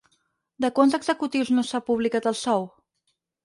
De quants executius no s'ha publicat el sou?